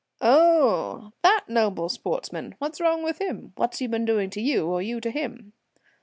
"Oh! that noble sportsman? What's wrong with him? What's he been doing to you or you to him?"